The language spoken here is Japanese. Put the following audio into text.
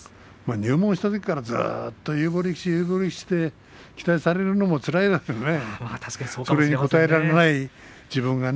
入門したときから有望力士、有望力士と期待されるのもつらいだろうね